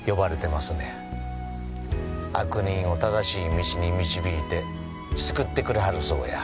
悪人を正しい道に導いて救ってくれはるそうや。